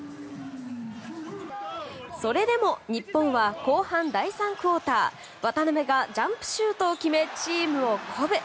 それでも日本は後半第３クオーター渡邊がジャンプシュートを決めチームを鼓舞。